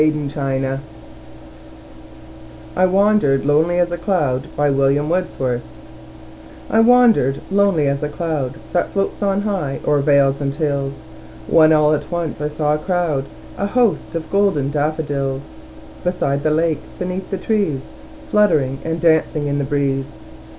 William Wordsworth I Wandered Lonely As a Cloud I WANDERED lonely as a cloud That floats on high o'er vales and hills, When all at once I saw a crowd, A host, of golden daffodils; Beside the lake, beneath the trees, Fluttering and dancing in the breeze.